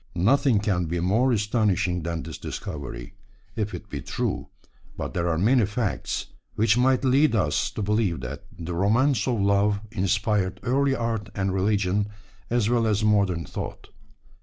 Nothing can be more astonishing than this discovery, if it be true, but there are many facts which might lead us to believe that the romance of love inspired early art and religion as well as modern thought.